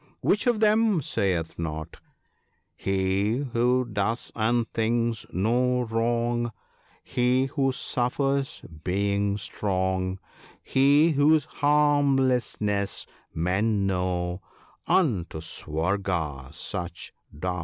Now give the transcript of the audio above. Which of them sayeth not, —" He who does and thinks no wrong — He who suffers, being strong — He whose harmlessness men know — Unto Swarga such doth go ( 29